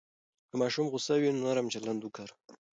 که ماشوم غوسه وي، نرم چلند وکاروئ.